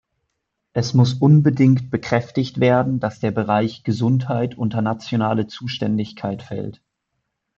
Es muss unbedingt bekräftigt werden, dass der Bereich Gesundheit unter nationale Zuständigkeit fällt.